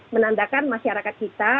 menandakan masyarakat kita